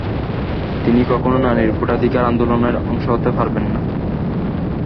তিনি কখনোই নারীর ভোটাধিকার আন্দোলনের অংশ হতে পারবেন না।